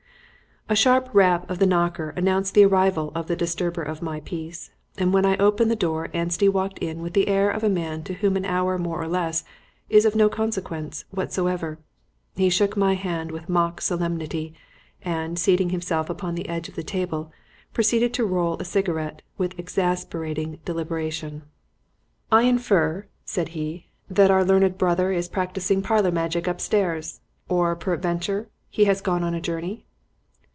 A sharp rap of the knocker announced the arrival of the disturber of my peace, and when I opened the door Anstey walked in with the air of a man to whom an hour more or less is of no consequence whatever. He shook my hand with mock solemnity, and, seating himself upon the edge of the table, proceeded to roll a cigarette with exasperating deliberation. "I infer," said he, "that our learned brother is practising parlour magic upstairs, or peradventure he has gone on a journey?"